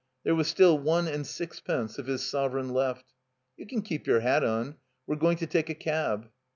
There was still one and sixpence of his sovereign left. "You can keep your hat on. We're going to take a cab."